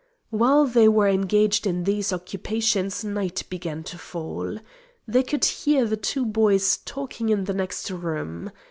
While they were engaged in these occupations night began to fall. They could hear the two boys talking in the next room.